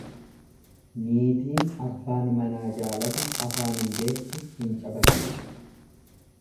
Niitiin abbaan manaa jaalatu afaan hin beektu, hin cabaqxi.